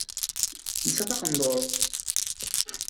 Telsa taqendurt.